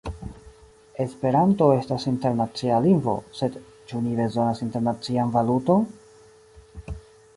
Esperanto estas internacia lingvo, sed ĉu ni bezonas internacian valuton?